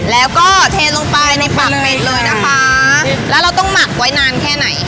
แล้วก็เทลงไปในปากเป็ดเลยนะคะแล้วเราต้องหมักไว้นานแค่ไหน